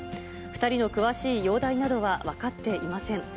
２人の詳しい容体などは分かっていません。